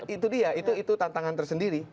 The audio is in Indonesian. itu dia itu tantangan tersendiri